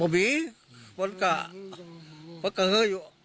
มันก็มากงานอยู่